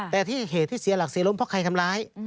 แต่ที่เหตุที่เสียหลักเสียล้มเพราะใครทำร้าย